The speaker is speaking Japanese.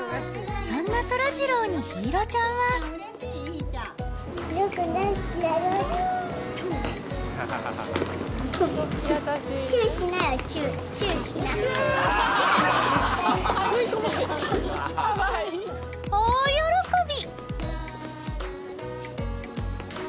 そんなそらジローに陽彩ちゃんは大喜び！